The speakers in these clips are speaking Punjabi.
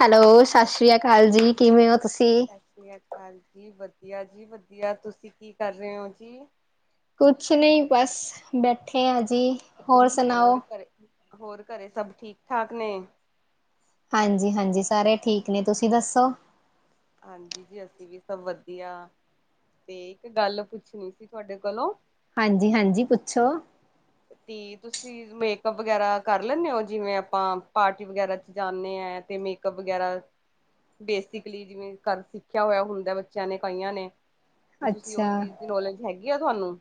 ਹੈਲੋ ਸਤਿ ਸ੍ਰੀ ਅਕਾਲ ਜੀ ਕਿਵੇਂ ਹੋ ਤੁਸੀਂ ਸਤਿ ਸ੍ਰੀ ਅਕਾਲ ਜੀ ਵਧੀਆ ਜੀ ਵਧੀਆ ਤੁਸੀਂ ਕੀ ਕਰ ਰਹੇ ਹੋ ਜੀ ਕੁਛ ਨਹੀਂ ਬਸ ਬੈਠੇ ਹ ਜੀ ਹੋਰ ਸੁਣਾਓ ਹੋਰ ਘਰੇ ਸਭ ਠੀਕ ਠਾਕ ਨੇ ਹਾਂਜੀ ਹਾਂਜੀ ਸਾਰੇ ਠੀਕ ਨੇ ਤੁਸੀਂ ਦੱਸੋ ਹਾਂਜੀ ਜੀ ਅਸੀਂ ਵੀ ਸਭ ਵਧੀਆ ਤੇ ਇੱਕ ਗੱਲ ਪੁੱਛਣੀ ਸੀ ਤੁਹਾਡੇ ਕੋਲੋਂ ਹਾਂਜੀ ਹਾਂਜੀ ਪੁੱਛੋ ਤੇ ਤੁਸੀਂ ਮੇਕਅੱਪ ਵਗੈਰਾ ਕਰ ਲੈਦੇ ਹੋ ਜਿਵੇਂ ਆਪਾਂ ਪਾਰਟੀ ਵਗੈਰਾ ਚ ਜਾਂਦੇ ਹਾਂ ਹੈ ਤੇ ਮੇਕਅਪ ਵਗੈਰਾ ਬੇਸਿਕਲੀ ਜਿਵੇਂ ਘ ਸਿੱਖਿਆ ਹੋਇਆ ਹੁੰਦਾ ਬੱਚਿਆਂ ਨੇ ਕਈਆਂ ਨੇ ਤੇ ਤੁਸੀਂ ਉਹ ਅੱਛਾ ਚੀਜ਼ ਦੀ ਨੌਲੇਜ ਹੈਗੀ ਆ ਤੁਹਾਨੂੰ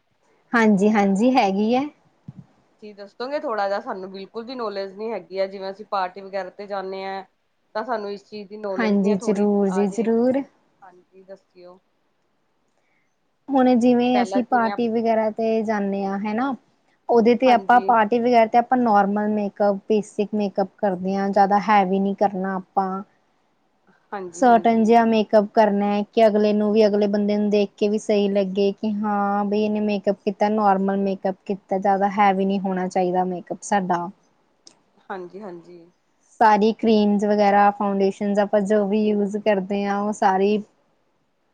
ਹਾਂਜੀ ਹਾਂਜੀ ਹੈਗੀ ਹੈ ਤੁਸੀਂ ਦੱਸੋਗੇ ਥੋੜਾ ਜਿਹਾ ਸਾਨੂੰ ਬਿਲਕੁਲ ਵੀ ਨੌਲੇਜ ਨੀ ਹੈਗੀ ਹੈ ਜਿਵੇਂ ਅਸੀਂ ਪਾਰਟੀ ਵਗੈਰਾ ਤੇ ਜਾਂਦੇ ਹਾਂ ਤਾਂ ਸਾਨੂੰ ਇਸ ਚੀਜ਼ ਦੀ ਨੌਲੇਜ ਨਹੀਂ ਹੈ ਹਾਂਜੀ ਥੋੜੀ ਜ਼ਰੂਰ ਆ ਜੀ ਜੇ ਜ਼ਰੂਰ ਹਾਂਜੀ ਦੱਸਿਓ ਹੁਣ ਜਿਵੇਂ ਪਹਿਲਾਂ ਅਸੀਂ ਜਿਵੇਂ ਪਾਰਟੀ ਵਗੈਰਾ ਤੇ ਜਾਂਦੇ ਹਾਂ ਹਨਾ ਉਹਦੇ ਤੇ ਆਪਾਂ ਹਾਂਜੀ ਪਾਰਟੀ ਵਗੈਰਾ ਤੇ ਆਪਾਂ ਨੋਰਮਲ ਮੇਕਅੱਪ ਬੇਸਿਕ ਮੇਕਅੱਪ ਕਰਦੇ ਹਾਂ ਜ਼ਿਆਦਾ ਹੈਵੀ ਨਹੀ ਕਰਨਾ ਆਪਾਂ ਹਾਂਜੀ ਸੋਟਨ ਜ ਹਾਂਜੀ ਆ ਮੇਕਅਪ ਕਰਨਾ ਹੈ ਕਿ ਅਗਲੇ ਨੂੰ ਵੀ ਅਗਲੇ ਬੰਦੇ ਨੂੰ ਦੇਖ ਕੇ ਵੀ ਸਹੀ ਲੱਗੇ ਕਿ ਹਾਂ ਬਈ ਇਹਨੇ ਮੇਕਅਪ ਕੀਤਾ ਨੋਰਮਲ ਮੇਕਅਪ ਕੀਤਾ ਜ਼ਿਆਦਾ ਹੈਵੀ ਨਹੀਂ ਹੋਣਾ ਚਾਹੀਦਾ ਮੇਕਅਪ ਸਾਡਾ ਹਾਂਜੀ ਹਾਂਜੀ ਸਾਰੀ ਕਰੀਮ ਵਗੈਰਾ ਫਾਊਂਡੇਸ਼ਨ ਆਪਾਂ ਜੋ ਵੀ ਯੂਜ ਕਰਦੇ ਹਾਂ ਉਹ ਸਾਰੀ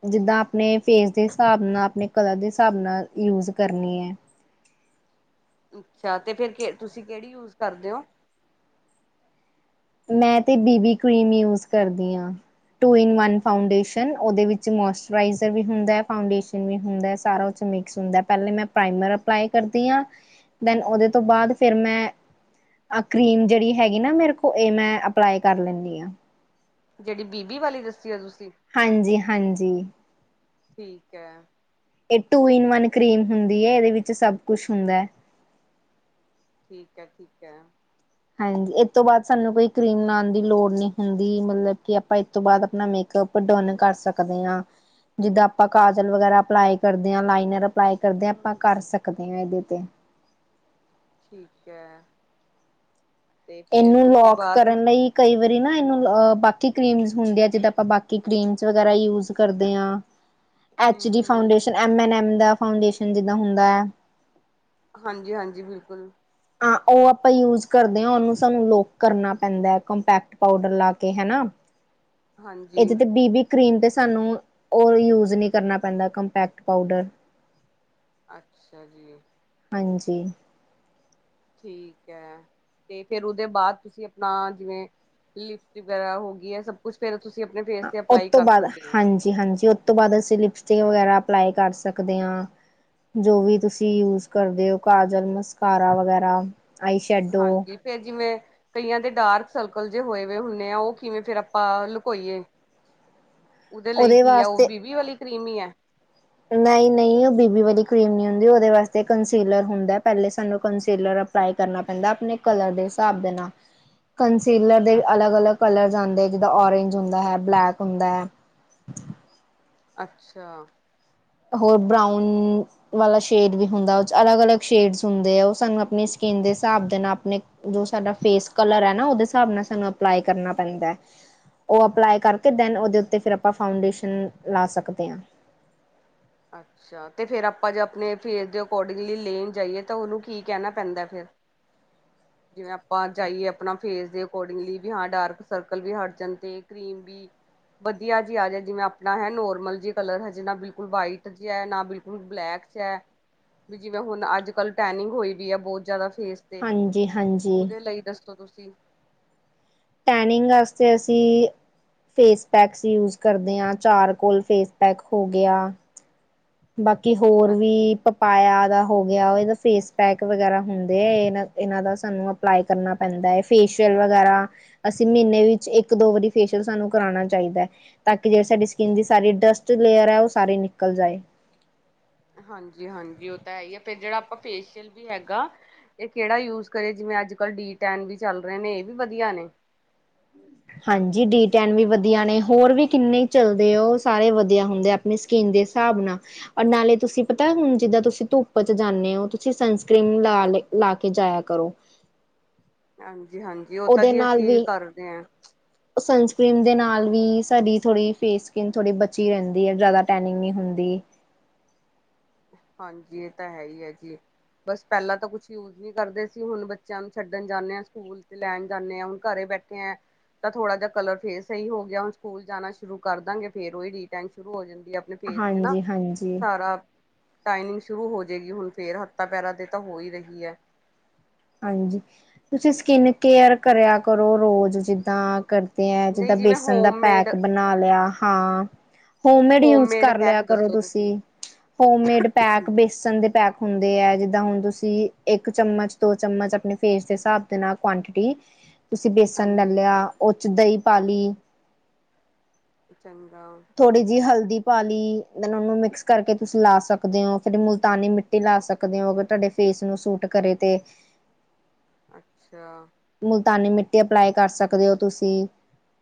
ਜਿੱਦਾਂ ਆਪਣੇ ਫੇਸ ਦੇ ਹਿਸਾਬ ਨਾਲ ਆਪਣੇ ਕਲਰ ਦੇ ਹਿਸਾਬ ਨਾਲ ਯੂਜ ਕਰਨੀ ਹੈ ਅੱਛਾ ਤੇ ਫਿਰ ਕੇ ਤੁਸੀਂ ਕਿਹੜੀ ਯੂਜ ਕਰਦੇ ਹੋ ਮੈਂ ਤੇ ਬੀਬੀ ਕਰੀਮ ਯੂਜ ਕਰਦੀ ਹਾਂ। ਟੂ ਇਨ ਵਨ ਫਡੇ ਉਹਦੇ ਵਿੱਚ ਮੋਚਰਾਈਰ ਵੀ ਹੁੰਦਾ, ਫਡੇਸਨ ਵੀ ਹੁੰਦਾ ਹੈ ਸਾਰਾ। ਮਿਕਸ ਹੁੰਦਾ ਪਹਿ ਮੈਂ ਪ੍ਰਾਈਮਰ ਅਪਲਾਈ ਕਰਦੀ ਹਾਂ। ਦੈਨ ਉਹਦੇ ਤੋਂ ਬਾਅਦ ਫਿਰ ਮੈਂ ਆ ਕਰੀਮ ਜਿਹੜੀ ਹੈਗੀ ਨਾ ਮੇਰੇ ਕੋਲ ਇਹ ਮੈਂ ਅਪਲਾਈ ਕਰ ਲੈਂਦੀ ਆ। ਜਿਹੜੀ ਬੀਬੀ ਵਾਲੀ ਦੱਸੀ ਓ ਤੁਸੀਂ ਹਾਂਜੀ- ਹਾਂਜੀ। ਠੀਕ ਹੈ। ਇਹ ਟੂ ਇਨ ਵਨ ਕਰੀਮ ਹੁੰਦੀ ਹੈ। ਇਹਦੇ ਵਿੱਚ ਸਭ ਕੁਛ ਹੁੰਦਾ ਹੈ। ਠੀਕ ਆ ਠੀਕ ਹੈ। ਹਾਂਜੀ ਇਹ ਤੋਂ ਬਾਅਦ ਸਾਨੂੰ ਕੋਈ ਕਰੀਮ ਲਣਾਉਣ ਦੀ ਲੋੜ ਨਹੀਂ ਹੁੰਦੀ। ਮਤਲਬ ਕਿ ਆਪਾਂ ਇਹ ਤੋਂ ਬਾਅਦ ਆਪਣਾ ਮੇਕਅਪ ਡੋਨ ਕਰ ਸਕਦੇ ਹਾਂ। ਜਿੱਦਾਂ ਆਪਾਂ ਕਾਜਲ ਵਗਰਾ ਅਪਲਾਈ ਕਰਦੇ ਹਾਂ। ਲਾਈਨਰ ਅਪਲਾਈ ਕਰਦੇ ਹਾਂ। ਆਪਾਂ ਕਰ ਸਕਦੇ ਹਾਂ ਇਹ ਤੇ ਠੀਕ ਹੈ। ਤੇ ਫਿਰ ਇਹਨੂੰ ਉਹਦੇ ਲੋਕ ਬਾਅਦ ਕਰਨ ਲਈ ਕਈ ਨਾ ਇਹਨੂੰ ਬਾਕੀ ਕੀਮ ਹੁੰਦੇ ਆ ਜਿਦਾਂ ਆਪਾਂ ਬਾਕੀ ਕੀਮ ਵਗੈਰਾ ਯੂਜ ਕਰਦੇ ਹਾਂ। ਹਮ H D hmm foundation, M A M ਦਾ ਫਾਡੇਸ਼ਨ ਜਿੱਦਾਂ ਹੁੰਦਾ ਹੈ। ਹਾਂਜੀ- ਹਾਂਜੀ। ਬਿਲਕੁਲ। ਆ ਉਹ ਆਪਾਂ ਯੂਜ ਕਰਦੇ ਹਾਂ। ਉਹਨੂੰ ਸਾਨੂੰ ਲੋਕ ਕਰਨਾ ਪੈਂਦਾ ਹੈ। ਕੰਪੈਕਟ ਪਾਊਡਰ ਲਾ ਕੇ ਹਨਾ। ਹਾਂਜੀ ਇਹਦੇ ਤੇ ਬੀ ਬੀ ਕਰੀਮ ਤੇ ਸਾਨੂੰ ਉਹ ਯੂਜ ਨਹੀ ਕਰਨਾ ਪੈਂਦਾ ਕੰਪੈਕਟ ਪਾਊਡਰ। ਅੱਛਾ ਜੀ। ਹਾਂਜੀ। ਠੀਕ ਹੈ। ਤੇ ਫੇਰ ਉਹਦੇ ਬਾਅਦ ਤੁਸੀਂ ਆਪਣਾ ਜਿਵੇਂ ਲਿਪਸ ਵਗੈਰਾ ਹੋ ਗਈ ਹੈ ਸਭ ਕੁੱਛ ਫੇਰ ਤੁਸੀਂ ਆਪਣੇ ਫੇਸ ਤੇ ਉਹਤ ਅਪਲਾਈ ਤੋਂ ਕਰ ਬਾਅਦ, ਸਕਦੇ ਹੋ ਹਾਂਜੀ- ਹਾਂਜੀ। ਤੋਂ ਬਾਅਦ ਅਸੀਂ ਲਿਪਸਟਿਕ ਵਗੈਰਾ ਅਪਲਾਈ ਕਰ ਸਕਦੇ ਆ। ਜੋ ਵੀ ਤੁਸੀਂ ਯੂਜ ਕਰਦੇ ਔ। ਕਾਜਲ, ਮਸਕਾਰਾ ਵਗੈਰਾ। ਆਈ ਸ਼ੈਡੋ ਹਾਂਜੀ। ਫੇਰ ਜਿਵੇਂ ਕਈਆਂ ਦੇ ਡਾਰਕ ਸਰਕ ਅਕਲ ਜੇ ਹੋਏ- ਹੋਏ ਹੁੰਦੇ ਆ। ਉਹ ਕਿਵੇਂ ਫੇਰ ਆਪਾਂ ਲੁਕੋਈਏ। ਉਹਦੇ ਲਈ ਕੀ ਆ। ਉਹ ਬੀਬੀ ਵਾਲੀ ਕਰੀਮੀ ਈ ਐ। ਨਹੀਂ, ਨਹੀਂ ਉਹ ਬੀ ਬੀ ਵਾਲੀ ਕਰੀਮ ਨੀ ਹੁੰਦੀ। ਉਹਦੇ ਵਾਸਤੇ ਕੰਸੀਲਰ ਹੁੰਦਾ। ਪਹਿਲੇ ਸਾਨੂੰ ਕੰਸੀਲਰ ਅਪਲਾਈ ਕਰਨਾ ਪੈਂਦਾ। ਆਪਣੇ ਕਲਰ ਦੇ ਹਿਸਾਬ ਦੇ ਨਾਲ ਸੀਲਰ ਦੇ ਅਲੱਗ -ਅਲੱਗ ਕਲਰ ਆਂਦੇ। ਜਿੱਦਾਂ ਓਰੇਂਜ ਹੁੰਦਾ ਹੈ, ਬਲੈਕ ਹੁੰਦਾ ਹੈ। ਅੱਛਾ। ਹੋਰ ਬਰਾਊਨ ਵਾਲਾ ਸ਼ੇਡ ਵੀ ਹੁੰਦਾ ਉਹ ਅਲੱਗ- ਅਲੱਗ ਸ਼ੇਡਸ ਹੁੰਦੇ ਆ। ਉਹ ਸਾਨੂੰ ਆਪਣੀ ਸਕਿੰਨ ਦੇ ਹਿਸਾਬ ਦੇ ਨਾਲ ਆਪਣੇ ਜੋ ਸਾਡਾ ਫੇਸ ਕਲਰ ਹੈ ਨਾ ਉਹਦੇ ਹਿਸਾਬ ਨਾਲ ਸਾਨੂੰ ਅਪਲਾਈ ਕਰਨਾ ਪੈਂਦਾ। ਉਹ ਅਪਲਾਈ ਕਰਕੇ ਦੈਨ ਉਹਦੇ ਉੱਤੇ ਫਿਰ ਆਪਾਂ ਫਾਉਡੇਸ਼ਨ ਲਾ ਸਕਦੇ ਹਾਂ। ਅੱਛਾ, ਤੇ ਫੇਰ ਆਪਾਂ ਜੇ ਆਪਣੇ ਫੇਸ ਦੇ ਅਕੋਰਡਿੰਗਲੀ ਲੈਣ ਜਾਈਏ ਤਾਂ ਉਹਨੂੰ ਕੀ ਕਹਿਣਾ ਪੈਂਦਾ ਫਿਰ। [inaudible] ਜਿਵੇਂ ਆਪਾਂ ਜਾਈਏ ਆਪਣਾ ਫੇਸ ਦੇ ਅਕੋਰਡਿੰਗਲੀ ਵੀ ਹਾਂ ਡਾਰਕ ਸਰਕਲ ਵੀ ਹਟ ਜਾਣ ਤੇ ਕਰੀਮ ਵੀ। ਵਧੀਆ ਜੀ ਆ ਜਾ ਜਿਵੇਂ ਆਪਣਾ ਹੈ ਨੋਰਮਲ ਜੀ ਕਲਰ ਹੈਜੇ ਨਾ ਬਿਲਕੁਲ ਵਾਈਟ ਨਾ ਬਿਲਕੁਲ ਬਲੈਕਸ ਹੈ। ਵੀ ਜਿਵੇਂ ਹੁਣ ਅੱਜ ਕਲ ਟੈਨਿੰਗ ਹੋਈ ਵੀ ਹੈ ਬਹੁਤ ਜਿਆਦਾ ਹਾਂਜੀ- ਹਾਂਜੀ। ਦੱਸੋ ਤੁਸੀਂ ਟੈਨਿੰਗ ਵਾਸਤੇ ਅਸੀਂ ਫੇਸ ਪੈਕਸ ਯੂਜ ਕਰਦੇ ਹਾਂ। ਚਾਰ ਕੋਲ ਫੇਸ ਪੈਕ ਹੋ ਗਿਆ। ਬਾਕੀ ਹੋਰ ਵੀ ਪਪਾਇਆ ਦਾ। ਹੋ ਗਿਆ। ਉਹ ਇਹਦਾ ਫੇਸ ਪੈਕ ਵਗੈਰਾ ਹੁੰਦੇ ਹੈ ਇਹ ਇਹਨਾਂ ਦਾ ਸਾਨੂੰ ਅਪਲਾਈ ਕਰਨਾ ਪੈਂਦਾ ਹੈ ਫੇਸ਼ਅਲ। ਵਗੈਰਾ ਅਸੀਂ ਮਹੀਨੇ ਵਿੱਚ ਇੱਕ ਦੋ ਵਾਰੀ ਫੇਸ਼ਅਲ ਸਾਨੂੰ ਕਰਾਉਣਾ ਚਾਹੀਦਾ ਹੈ ਤਾਂ ਕਿ ਜਿਹੜੀ ਸਾਡੀ ਸਕਿਨ ਉਂਜੀ ਸਾਰੀ ਡਸਟ ਲੇਅਰ ਹੈ ਉਹ ਸਾਰੀ ਨਿਕਲ ਜਾਏ ਹਾਂਜੀ, ਹਾਂਜੀ ਉਹ ਤਾਂ ਹੈ ਹੀ ਹੈ ਫੇਰ ਜਿਹੜਾ ਆਪਾਂ ਫੇਸ਼ੀਅਲ ਵੀ ਹੈਗਾ ਇਹ ਕਿਹੜਾ ਯੂਜ ਕਰੇਏ ਜਿਵੇਂ ਅੱਜ ਕੱਲ੍ਹ ਡੀ ਟੈਨ ਵੀ ਚੱਲ ਰਹੇ ਨੇ ਇਹ ਵੀ ਵਧੀਆ ਨੇ। ਹਾਂਜੀ, ਡੀ ਟੈਨ ਵੀ ਵਧੀਆ ਨੇ। ਹੋਰ ਵੀ ਕਿੰਨੇ ਚੱਲਦੇ ਉਹ ਸਾਰੇ ਵਧੀਆ ਹੁੰਦੇ। ਆਪਣੀ ਸਕੀਨ ਦੇ ਹਿਸਾਬ ਨਾਲ ਔਰ ਨਾਲੇ ਤੁਸੀਂ ਪਤਾ ਹੁਣ ਜਿੱਦਾਂ ਤੁਸੀਂ ਧੁੱਪ ਚ ਜਾਂਦੇ ਔ ਤੁਸੀਂ ਸਨਸਕ੍ਰਰੀਨ ਲਾ ਲਾ ਕੇ ਜਾਇਆ ਕਰੋ। ਜੀ ਹਾਂਜੀ। ਉਹ ਤਾਂ ਉਹਦੇ ਜੀ ਨਾਲ ਅਸੀਂ ਵੀ ਕਰਦੇ ਹਾਂ। ਸਨਸਕ੍ਰੀਮ ਦੇ ਨਾਲ ਵੀ ਸਾਡੀ ਥੋੜ੍ਹੀ ਫੇਸ ਸਕੀਨ ਥੋੜ੍ਹੀ ਬਚੀ ਰਹਿੰਦੀ ਹੈ ਜ਼ਿਆਦਾ ਟੈਨਿੰਗ ਨਹੀਂ ਹੁੰਦੀ। ਹਾਂਜੀ। ਇਹ ਤਾਂ ਹੈ ਹੀ ਹੈ ਜੀ। ਬਸ ਪਹਿਲਾਂ ਤਾਂ ਕੁਛ ਯੂਜ ਨਹੀਂ ਕਰਦੇ ਸੀ ਹੁਣ ਬੱਚਿਆਂ ਨੂੰ ਛੱਡਣ ਜਾਂਦੇ ਆ। ਸਕੂਲ ਤੇ ਲੈਣ ਜਾਂਦੇ ਹਾਂ। ਹੁਣ ਘਰੇ ਬੈਠੇ ਆ। ਤਾਂ ਥੋੜਾ ਜਿਹਾ ਕਲਰ ਫੇਰ ਸਹੀ ਹੋ ਗਿਆ। ਹੁਣ ਸਕੂਲ ਜਾਣਾ ਸ਼ੁਰੂ ਕਰ ਦਾਂਗੇ ਫੇਰ ਉਹਹੀ ਟੈਨਿੰਗ ਸ਼ੁਰੂ ਹੋ ਜਾਂ ਆਪਣੇ ਫੇਸ ਤੇ ਨਾ ਹਾਂਜੀ, ਹਾਂਜੀ, ਸਾਰਾ ਟਈਨਿੰਗ ਸ਼ੁਰੂ ਹੋ ਜਾਏਗੀ ਹੁਣ ਫੇਰ ਹੱਥਾਂ ਪੈਰਾ ਦੇ ਤਾਂ ਹੋ ਹੀ ਰਹੀ ਹੈ। ਹਾਂਜੀ ਤੁਸੀਂ ਸਕਿੰਨ ਕੇਅਰ ਕਰਿਆ ਕਰੋ ਰੋਜ਼ ਜਿੱਦਾਂ ਕਰ ਤੇ ਜਿੱਦਾਂ ਨਹੀਂ ਜਿਵੇਂ ਬੇਸਨ ਦਾ ਹੋਮਮੇਡ ਪੈਕ ਬਣਾ ਲਿਆ ਹਾਂ ਹੋਮਮੇਡ ਯੂਜ ਕਰ ਲਿਆ ਕਰੋ ਤੁਸੀਂ ਹੋਮਮੇਡ ਪੈਕ ਬੇਸਨ ਦੇ ਪੈਕ ਹੁੰਦੇ ਹੈ ਜ ਹੁਣ ਤੁਸੀਂ ਇੱਕ ਚਮਚ ਦੋ ਚਮਚ ਆਪਣੇ ਫੇਸ ਦੇ ਹਿਸਾਬ ਦੇ ਨਾਲ ਕਵਾਂਨਟੇਟੀ ਤੁਸੀਂ ਬੇਸਣ ਲੈ ਹਾਂਜੀ ਲਿਆ ਉਹ ਚ ਦਹੀਂ ਪਾ ਲਈ ਚੰਗਾ ਥੋੜੀ ਜਿਹੀ ਹਲਦੀ ਕਾਲੀ ਉਹਨੂੰ ਮਿਕਸ ਕਰਕੇ ਤੁਸੀਂ ਲਾ ਸਕਦੇ ਹੋ ਫਿਰ ਮੁਲਤਾਨੀ ਮਿੱਟੀ ਲਾ ਸਕਦੇ ਹੋ ਅਗਰ ਤੁਹਾਡੇ ਫੇ ਫੇਸ ਨੂੰ ਸੂਟ ਕਰੇ ਤੇ ਅੱਛਾ ਮੁਲਤਾਨੀ ਮਿੱਟੀ ਅਪਲਾਈ ਕਰ ਸਕਦੇ ਹੋ ਤੁਸੀਂ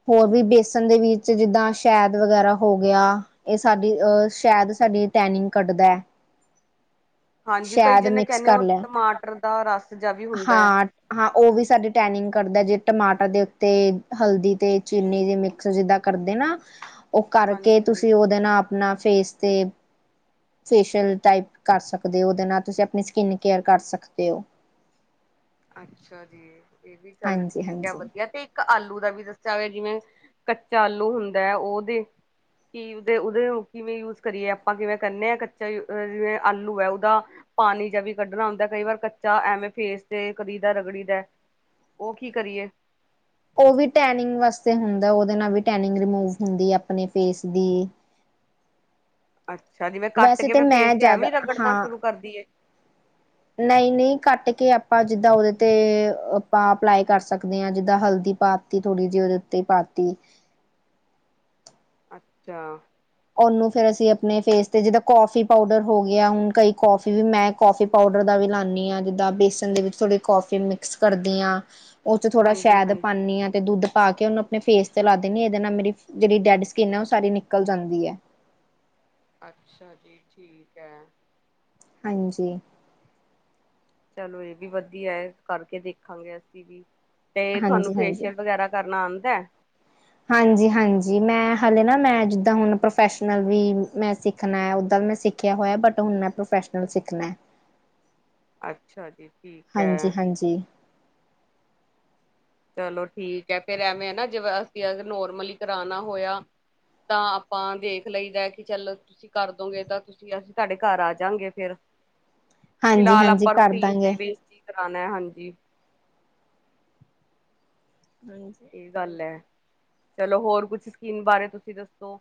ਹੋਰ ਵੀ ਬੇਸਨ ਦੇ ਵਿੱਚ ਜਿੱਦਾਂ ਸ਼ੈਦ ਵਗੈਰਾ ਹੋ ਗਿਆ ਇਹ ਸਾਡੀ ਅਹ ਸ਼ੈਦ ਸਾਡੀ ਟੈਨਿੰਗ ਕਢਦਾ ਹੈ ਹਾਂਜੀ ਕਈ ਸ਼ੈਦ ਜਣੇ ਮਿਕਸ ਕਹਿੰਦੇ ਕਰ ਉਹ ਲਾ ਟਮਾਟਰ ਦਾ ਰਸ ਜਿਹਾ ਵੀ ਹੁੰਦਾ ਹੈ ਹਾਂ ਹਾਂ ਉਹ ਵੀ ਸਾਡੀ ਟੈਨਿੰਗ ਕਰਦਾ ਜੇ ਟਮਾਟਰ ਦੇ ਉੱਤੇ ਹਲਦੀ ਤੇ ਚੀਨੀ ਜੇ ਮਿਕਸ ਜਿੱਦਾਂ ਕਰਦੇ ਨਾ ਉਹ ਕਰਕੇ ਹਾਂਜੀ ਤੁਸੀਂ ਹਾਂਜੀ ਉਹਦੇ ਨਾਲ ਆਪਣਾ ਫੇਸ ਤੇ ਫੇਸ਼ੀਅਲ ਟਾਈਪ ਕਰ ਸਕਦੇ ਹੋ ਉਹਦੇ ਨਾਲ ਤੁਸੀਂ ਆਪਣੀ ਸਕਿੰਨ ਕੇਅਰ ਕਰ ਸਕਦੇ ਹੋ ਅੱਛਾ ਜੀ ਇਹ ਵੀ ਚੱਲ ਹਾਂਜੀ ਠੀਕ ਹੈ ਹਾਂਜੀ ਵਧੀਆ ਤੇ ਇੱਕ ਆਲੂ ਦਾ ਵੀ ਦੱਸਿਆ ਹੋ ਜਿਵੇਂ ਕੱਚਾ ਆਲੂ ਹੁੰਦਾ ਹੈ ਉਹਦੇ ਕਿ ਓਦੇ ਕਿਵੇਂ ਯੂਜ ਕਰੀਏ ਆਪਾਂ ਕਿਵੇਂ ਕਰਨੇ ਆ ਕੱਚਾ ਜਿਵੇਂ ਆਲੂ ਹੈ ਓਦਾ ਪਾਣੀ ਜ ਵੀ ਕੱਢਣਾ ਹੁੰਦਾ ਕਈ ਵਾਰ ਕੱਚਾ ਐਵੇਂ ਫੇਸ ਤੇ ਕਰੀਦਾ ਰਗੜੀ ਦਾ ਉਹ ਕੀ ਕਰੀਏ ਉਹ ਵੀ ਟੈਨਿੰਗ ਵਾਸਤੇ ਹੁੰਦਾ ਉਹਦੇ ਨਾਲ ਵੀ ਟੈਨਿੰਗ ਰਿਮੂਵ ਹੁੰਦੀ ਆਪਣੇ ਫੇਸ ਦੀ ਅੱਛਾ ਜਿਵੇਂ ਕੱਟ ਵੈਸੇ ਕੇ ਤਾਂ ਫਿਰ ਫੇਸ ਮੈਂ ਤੇ ਜ਼ਿਆਦਾ ਐਵੇਂ ਰਗੜਨਾ ਹਾਂ ਸ਼ੁਰੂ ਕਰਦੀ ਏ ਨਹੀਂ ਨਹੀਂ ਕੱਟ ਕੇ ਆਪਾਂ ਜਿੱਦਾਂ ਉਹਦੇ ਤੇ ਆਪਾਂ ਅਪਲਾਈ ਕਰ ਸਕਦੇ ਹਾਂ ਜਿੱਦਾਂ ਹਲਦੀ ਪਾਤੀ ਥੋੜ੍ਹੀ ਜਿਹੀ ਤੇ ਪਾਤੀ ਅੱਛਾ ਉਹਨੂੰ ਫੇਰ ਅਸੀਂ ਆਪਣੇ ਫੇਸ ਤੇ ਜਿੱਦਾਂ ਕੌਫੀ ਪਾਊਡਰ ਹੋ ਗਿਆ ਹੁਣ ਕਈ ਕੌਫੀ ਵੀ ਮੈਂ ਕੌਫੀ ਪਾਊਡਰ ਦਾ ਵੀ ਲਾਨਿ ਹਾਂ ਜਿੱਦਾਂ ਬੇਸਨ ਦੇ ਵਿੱਚ ਥੋੜ੍ਹੀ ਕਫੀ ਮਿਕਸ ਕਰਦੀ ਹਾਂ ਉਹ ਚ ਥੋੜ੍ਹਾ ਹਾਂਜੀ ਸ਼ਾਇਦ ਹਾਂਜੀ ਪਾਨਿ ਹਾਂ ਤੇ ਦੁੱਧ ਪਾ ਕੇ ਉਹ ਨੂੰ ਆਪਣੇ ਫੇਸ ਤੇ ਲਾ ਦਿੰਨਿ ਅ ਇਹਦੇ ਨਾਲ ਮੇਰੀ ਜਿਹੜੀ ਡੈਡ ਸਕਿੰਨ ਹੈ ਉਹ ਸਾਰੀ ਨਿਕਲ ਜਾਂਦੀ ਹੈ ਅੱਛਾ ਜੀ ਠੀਕ ਹੈ ਹਾਂਜੀ ਚਲੋ ਇਹ ਵੀ ਵਧੀਆ ਕਰਕੇ ਦੇਖਾਂਗੇ ਅਸੀਂ ਵੀ ਤੇ ਤੁਹਾਨੂੰ ਹਾਂਜੀ, ਫੇਸ਼ੀਅਲ ਵਗੈਰਾ ਕਰਨਾ ਆਂਦੇ ਹਾਂਜੀ ਹਾਂਜੀ, ਮੈਂ ਹਾਲੇ ਨਾ ਮੈਂ ਜਿੱਦਾਂ ਹੁਨ ਪ੍ਰੋਫੈਸ਼ਨਲ ਵੀ ਮੈਂ ਸਿੱਖਨੇ ਓਦਾਂ ਮੈਂ ਸਿੱਖਿਆ ਹੋਇਆ ਬਟ ਹੁਨ ਮੈਂ ਪ੍ਰੋਫੈਸ਼ਨਲ ਸਿੱਖਨੇ ਅੱਛਾ ਜੀ ਠੀਕ ਹੈ ਹਾਂਜੀ-ਹਾਂਜੀ, ਚਲੋ ਠੀਕ ਹੈ, ਫਿਰ ਐਵੇਂ ਏ ਨਾ ਜਿਵੇਂ ਅਸੀਂ ਅ ਨੋਰਮਲੀ ਕਰਾਨਾ ਹੋਇਆ ਤਾਂ ਆਪਾਂ ਦੇਖ ਲਈਦੇ ਕਿ ਚੱਲ ਤੁਸੀਂ ਕਰ ਦੋਗੇ ਤਾਂ ਤੁਸੀਂ ਅਸੀਂ ਸਾਡੇ ਘਰ ਆ ਜਾਗੇ ਫਿਰ ਫਿਲਹਾਲ ਹਾਂਜੀ-ਹਾਂਜੀ ਆਪਾਂ ਕਰ ਰੂਟੀਨ ਦੇ ਦਾਂਗੇ। ਵਿੱਚ ਜਾਨੇ ਹਾਂਜੀ ਏ ਗੱਲ ਹੈ, ਚਲੋ ਹੋਰ ਕੁਛ ਸਕੀਮ ਬਾਰੇ ਤੁਸੀਂ ਦੱਸੋ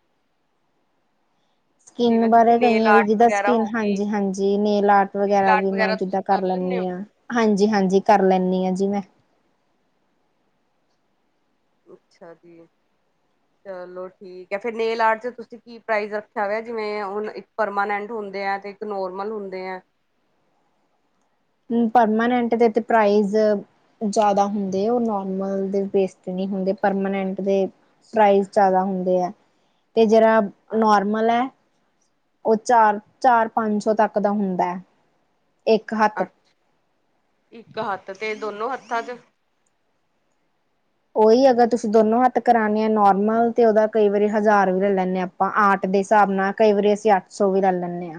ਸਕਿੰਨ ਜਿਵੇਂ ਤੁਸੀਂ ਬਾਰੇ ਨੇਲ ਕਈਆਂ ਦੀ ਆਰਟ ਜਿਦਾਂ ਵਗੈਰਾ ਸਕਿਨ, ਹੋ ਗਈ ਹਾਂਜੀ ਹਾਂਜੀ ਨੇਲ ਆਰਟ ਨੇਲ ਵਗੈਰਾ ਆਰਟ ਵੀ ਮੈਂ ਜਿਦਾਂ ਤੁਸੀਂ ਕਰ ਲੈਂਦੇ ਹੋ ਲੈਨ ਹਾਂਜੀ ਹਾਂਜੀ ਕਰ ਲੈਂਨੀ ਆ, ਜੀ ਮੈਂ ਅੱਛਾ ਜੀ ਚਲੋ ਠੀਕ ਹੈ, ਫਿਰ ਨੇਲ ਆਰਟ ਚ ਤੁਸੀਂ ਕੀ ਪ੍ਰਾਈਜ਼ ਰੱਖਿਆ ਹੋ ਜਿਵੇ ਹੁਨ ਇੱਕ ਪਰਮਾਨੈਂਟ ਹੁੰਦੇ ਆ ਤੇ ਇੱਕ ਨੋਰਮਲ ਹੁੰਦੇ ਏ ਪਰਮਾਨੈਂਟ ਦੇ ਤੇ ਪ੍ਰਾਈਜ਼ ਜਿਆਦਾ ਹੁੰਦੇ, ਉਹ ਨੋਰਮਲ ਦੇ ਬੇਸ ਤੇ ਨੀ ਹੁੰਦੇ, ਪਰਮਾਨੈਂਟ ਦੇ ਪ੍ਰਾਈਜ ਜਿਆਦਾ ਹੁੰਦੇ ਐ ਤੇ ਜੇਹੜਾ ਨੋਰਮਲ ਹੈ ਉਹ ਚਾਰ ਚਾਰ ਪੰਜ ਸੌ ਤੱਕ ਦਾ ਹੁੰਦਾ ਏ ਅੱਛ, ਇੱਕ ਹੱਥ ਤੇ ਦੋਨੋ ਹੱਥਾਂ ਚ ਉਹੀ ਅਗਰ ਤੁਸੀਂ ਦੋਨੋ ਹੱਥ ਕਰਾਨੇ ਆ ਨੋਰਮਲ ਤੇ ਉਹਦਾ ਕਈ ਵਾਰੀ ਹਜ਼ਾਰ ਵੀ ਲੈ ਲੈਂਨੇ ਆ ਆਪਾਂ, ਆਰਟ ਦੇ ਹਿਸਾਬ ਨਾਲ, ਕਈ ਵਾਰੀ ਅਸੀਂ ਅੱਠ ਸੌ ਵੀ ਲੈ ਲੈਂਨੇ ਆ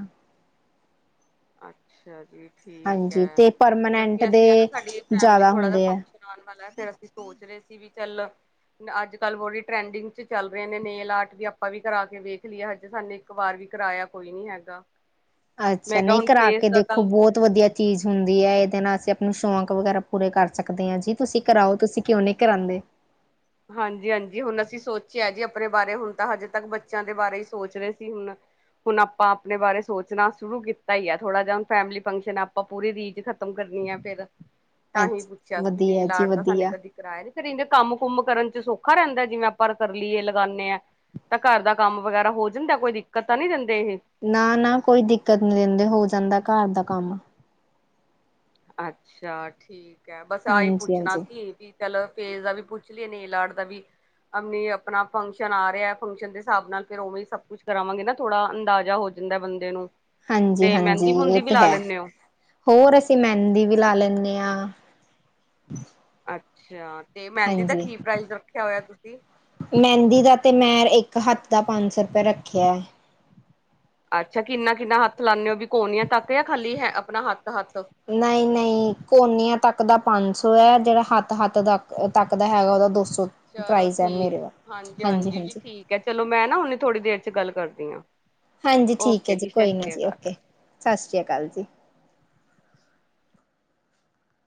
ਅੱਛਾ ਜੀ ਠੀਕ ਹਾਂਜੀ ਹੈ ਤੇ ਪਰਮਾਨੈਂਟ ਕਿਉਂਕਿ ਦੇ ਅਸੀਂ ਹਨ ਨਾ ਸਾਡੀ ਫੈਮਿਲੀ ਜ਼ਿਆਦਾ ਥੋੜਾ ਜਿ ਹੁੰਦੇ ਆ। ਫੰਕਸ਼ਨ ਆਉਣ ਵਾਲਾ ਏ ਫਿਰ ਅਸੀਂ ਸੋਚ ਰਹੇ ਸੀ ਵੀ ਚੱਲ ਅੱਜ ਕੱਲ੍ਹ ਬੜੀ ਟਰੈਂਡਿੰਗ ਚ ਚੱਲ ਰਹੇ ਨੇ, ਨੇਲ ਆਰਟ ਵੀ ਆਪਾਂ ਵੀ ਕਰਾ ਕੇ ਵੇਖ ਲੀਏ, ਹਜੇ ਸਾਨੂੰ ਇੱਕ ਵਾਰ ਵੀ ਕਿਰਾਆ ਕੋਈ ਨੀ ਹੈਗਾ ਅੱਛਾ ਮੈਂ ਕਿਹਾ ਨਹੀਂ ਹੁਣ ਕਰਾ ਫੇਸ ਕੇ ਦਾ ਤਾਂ ਦੇਖੋ ਬਹੁਤ ਵਧੀਆ ਚੀਜ਼ ਹੁੰਦੀ ਹੈ ਇਹਦੇ ਨਾਲ ਅਸੀਂ ਅਪਣੀ ਸ਼ੌਂਕ ਵਗੈਰਾ ਪੂਰੇ ਕਰ ਸਕਦੇ ਹਾਂ ਜੀ, ਤੁਸੀਂ ਕਰਾਓ ਤੁਸੀਂ ਕਿਉਂ ਨਹੀਂ ਕਰਾਂਦੇ ਹਾਂਜੀ ਹਾਂਜੀ, ਹੁਣ ਅਸੀਂ ਸੋਚਿਆ ਜੀ ਅਪਨੇ ਬਾਰੇ ਹੁਣ ਤਾਂ ਹਜੇ ਤੱਕ ਬੱਚਿਆਂ ਦੇ ਬਾਰੇ ਈ ਸੋਚ ਰਹੇ ਸੀ ਹੁਨ ਹੁਨ ਆਪਾਂ ਅਪਨੇ ਬਾਰੇ ਸੋਚਨਾ ਸ਼ੁਰੂ ਕੀਤਾ ਈ ਐ, ਥੋੜਾ ਜਾ ਹੁਨ ਫੈਮਲੀ ਫੰਕਸ਼ਨ ਆਪਾਂ ਪੂਰੀ ਰੀਜ ਖਤਮ ਕਰ [unintelligible] ਤਾਂ ਹੀ ਅੱਛਾ ਪੁੱਛਿਆ ਸੀ ਵੀ ਵਧੀਆ ਨੇਲ ਜੀ ਆਰਟ ਦਾ [unintelligible] ਵਧੀਆ ਕਦੀ ਕਰਾਇਆ ਨੀ ਫੇਰ‌ ਏਨੇ ਕੰਮ ਕੁੰਭ ਕਰਨ ਚ ਸੌਖਾ ਰਹਿੰਦੇ, ਜਿਵੇਂ ਆਪਾਂ ਕਰ ਲਈਏ ਲਗਾਨੇ ਆ ਤਾਂ ਘਰ ਦਾ ਕੰਮ ਵਗੈਰਾ ਹੋ ਜਾਂਦੇ, ਕੋਈ ਦਿੱਕਤ ਤਾਂ ਨਹੀਂ ਰਹਿੰ ਨਾ ਨਾ ਕੋਈ ਦਿੱਕਤ ਨ ਦਿੰਦੇ ਹੋ ਜਾਂਦੇ ਘਰ ਦਾ ਕੰਮ ਅੱਛਾ, ਠੀਕ ਹੈ, ਬਸ ਆ ਈ ਹਾਂਜੀ ਪੁੱਛਣਾ ਹਾਂਜੀ ਸੀ ਏ ਵੀ ਚਲ ਫੇਸ ਦਾ ਵੀ ਪੁੱਛ ਲੀਏ, ਨੇਲ ਆਰਟ ਦਾ ਵੀ ਅ [unintelligible] ਅਪਨਾ ਫੰਕਸ਼ਨ ਆ ਰਿਏ ਫੰਕਸ਼ਨ ਦੇ ਹਿਸਾਬ ਨਾਲ ਫੇਰ ਉਵੇਂ ਈ ਸਭ ਕੁਛ ਕਰਾਵਾਂਗੇ ਨਾ ਥੋੜਾ ਅੰਦਾਜ਼ਾ ਹੋ ਜਾ ਜਿੰਦਾ ਬੰਦੇ ਨੂੰ ਹਾਂਜੀ ਤੇ ਹਾਂਜੀ, ਮਹਿੰਦੀ ਇਹ ਮੁੰਦੀ ਵੀ ਤੇ ਲਾ ਹੈ ਲੈਂਦੇ ਹੋ ਹੋਰ ਅ ਮਹਿੰਦੀ ਵੀ ਲਾ ਲੈਂਨੇ ਆ ਅੱਛਾ ਤੇ ਮਹਿੰਦੀ ਦਾ ਹਾਂਜੀ, ਕੀ ਪ੍ਰਾਈਜ਼ ਰੱਖਿਆ ਹੋਇਆ ਤੁਸੀਂ ਮੇਹਿੰਦੀ ਦਾ ਤੇ ਮੈ ਇੱਕ ਇੱਕ ਹੱਤ ਦਾ ਪੰਜ ਸੌ ਰੁਪਏ ਰੱਖਿਆ ਏ ਅੱਛਾ, ਕਿੰਨਾ ਕਿੰਨਾ ਹੱਥ ਲਾਂਨੇ ੳ, ਵੀ ਕੋਨੀਆਂ ਤੱਕ ਆ ਖਾਲੀ ਹੈ ਅਪਨਾ ਹੱਥ ਹੱਥ ਨਹੀਂ ਨਹੀਂ ਕੋਨਿਆਂ ਤੱਕ ਦਾ ਪੰਜ ਸੌ ਹੈ, ਜਿਹੜਾ ਹੱਥ ਹੱਥ ਤੱਕ ਤੱਕਦਾ ਹੈਗਾ ਉਹਦਾ ਦੋ ਸੌ ਚਲੋ ਪ੍ਰਾਈਜ਼ ਹੈ ਠੀਕ, ਮੇਰੇ ਦਾ ਹਾਂਜੀ ਹਾਂਜੀ ਜੀ ਠੀਕ ਹੈ ਚਲੋ ਮੈਂ ਨਾ ਉਹਨੇ ਥੋੜੀ ਦੇਰ ਚ ਗੱਲ ਕਰਦੀ ਈ ਆਂ ਹਾਂਜੀ ਠੀਕ ਹੈ ਜੀ, ਕੋਈ ਨੀ ਜੀ, ਓਕੇ, ਸ ਸ੍ਰੀ ਕਾਲ ਜੀ